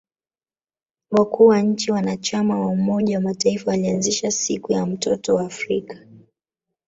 Wakuu wa nchi wanachama wa umoja wa mataifa walianzisha siku ya mtoto wa Afrika